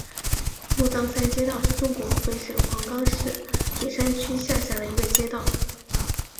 鹿獐山街道是中国湖北省黄石市铁山区下辖的一个街道。